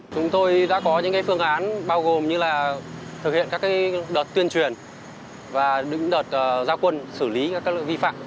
chúng tôi đã có những phương án bao gồm như là thực hiện các đợt tuyên truyền và đợt giao quân xử lý các lỗi vi phạm